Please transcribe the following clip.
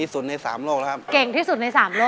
เกิดเสียแฟนไปช่วยไม่ได้นะ